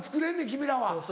君らは。